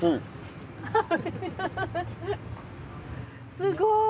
すごい。